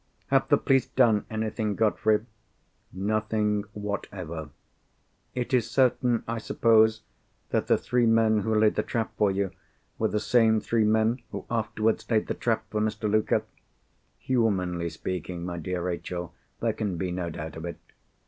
"Have the police done anything, Godfrey?" "Nothing whatever." "It is certain, I suppose, that the three men who laid the trap for you were the same three men who afterwards laid the trap for Mr. Luker?" "Humanly speaking, my dear Rachel, there can be no doubt of it."